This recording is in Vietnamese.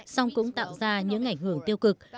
song cũng tạo ra những ảnh hưởng tiêu cực